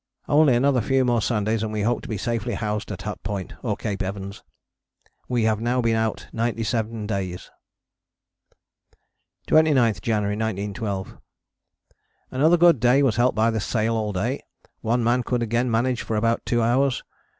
Only another few more Sundays and we hope to be safely housed at Hut Point, or Cape Evans. We have now been out 97 days. 29th January 1912. Another good day was helped by the sail all day. One man could again manage for about two hours.